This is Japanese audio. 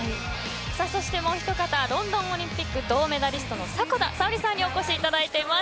そして、もう一方ロンドンオリンピック銅メダルの迫田さおりさんにお越しいただいています。